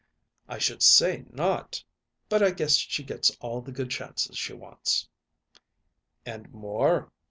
"I should say not! But I guess she gets all the good chances she wants." "And more.